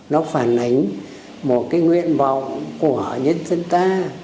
nó phản ánh một cái nguyện vọng của nhân dân ta